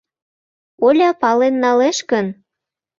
Оля пален налеш гын?